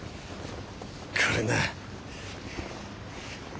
これな。